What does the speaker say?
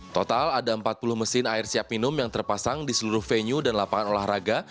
total ada empat puluh mesin air siap minum yang terpasang di seluruh venue dan lapangan olahraga